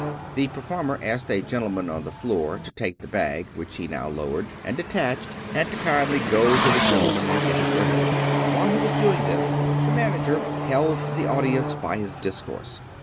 The performer asked a gentleman on the floor to take the bag, which he now lowered and detached, and to kindly go to the gentleman and get his envelope. While he was doing this the manager held the audience by his discourse.